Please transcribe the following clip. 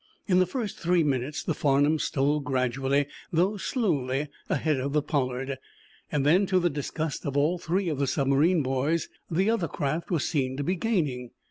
In the first three minutes the "Farnum" stole gradually, though slowly, ahead of the "Pollard." Then, to the disgust of all three of the submarine boys, the other craft was seen to be gaining.